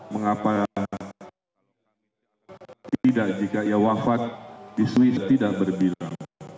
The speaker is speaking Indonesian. mengapa tidak jika ia wafat di swiss tidak berbilang